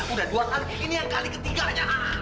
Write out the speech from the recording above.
udah dua kali ini yang kali ketiganya